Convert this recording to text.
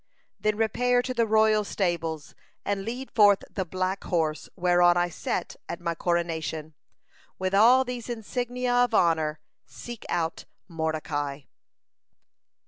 Then repair to the royal stables, and lead forth the black horse whereon I sat at my coronation. With all these insignia of honor, seek out Mordecai!"